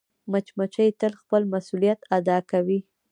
مچمچۍ تل خپل مسؤولیت ادا کوي